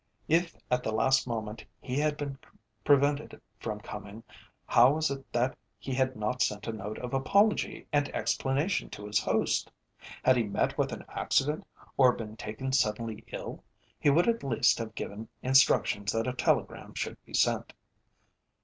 If at the last moment he had been prevented from coming, how was it that he had not sent a note of apology and explanation to his host? Had he met with an accident, or been taken suddenly ill, he would at least have given instructions that a telegram should be sent.